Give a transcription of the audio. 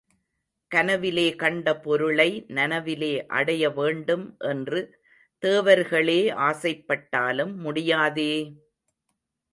கனவிலே கண்ட பொருளை நனவிலே அடைய வேண்டும் என்று தேவர்களே ஆசைப்பட்டாலும் முடியாதே!